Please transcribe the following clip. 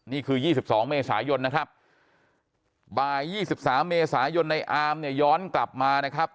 นี่คือ๒๒เมษายนนะครับบ่าย๒๓เมษายนในอามเนี่ยย้อนกลับมานะครับ